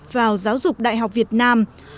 vào giáo dục đại học việt nam